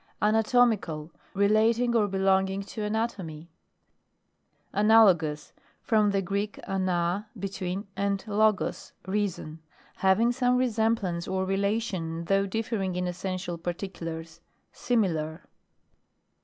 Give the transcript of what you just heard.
ANATOMICAL. Relating or belonging to anatomy. ANALOGOUS. From the Greek, ana, between, and logos reason. Hav ing some resemblance or relation, though differing in essential par ticulars. Similar.